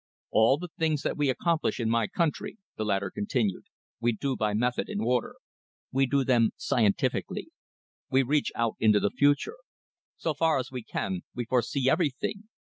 "All the things that we accomplish in my country," the latter continued, "we do by method and order. We do them scientifically. We reach out into the future. So far as we can, we foresee everything.